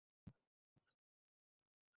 যদি আমরা একই কাজ করি তাহলে।